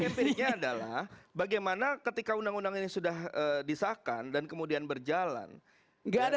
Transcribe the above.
empiriknya adalah bagaimana ketika undang undang ini sudah disahkan dan kemudian berjalan